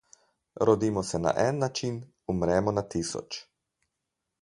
Rodimo se na en način, umremo na tisoč.